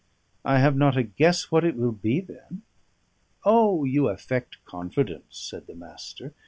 "I have not a guess what it will be, then." "O! you affect confidence," said the Master.